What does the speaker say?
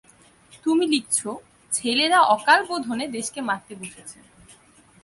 তুমি লিখছ– ছেলেরা অকালবোধনে দেশকে মারতে বসেছে।